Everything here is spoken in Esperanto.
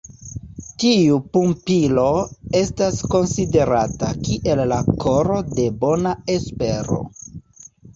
Tiu pumpilo estas konsiderata kiel la koro de Bona Espero.